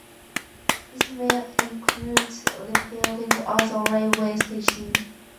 This will include rebuilding of the railway station.